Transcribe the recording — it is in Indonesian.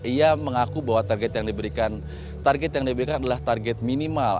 ia mengaku bahwa target yang diberikan target yang diberikan adalah target minimal